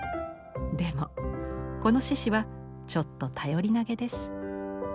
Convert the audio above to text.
でもこの獅子はちょっと頼りなげです。